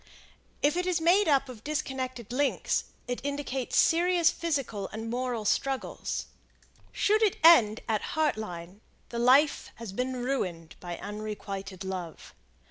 If it is made up of disconnected links, it indicates serious physical and moral struggles. Should it end at Heart Line, the life has been ruined by unrequited love.